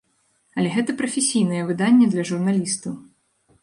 Але гэта прафесійнае выданне для журналістаў.